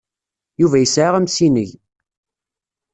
Yuba yesɛa amsineg.